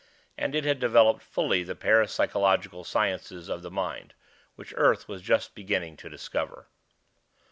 And it had developed fully the parapsychological sciences of the mind, which Earth was just beginning to discover.